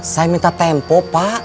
saya minta tempo pak